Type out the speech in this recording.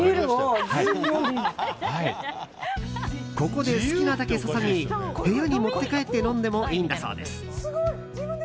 ここで好きなだけ注ぎ部屋に持って帰って飲んでもいいんだそうです。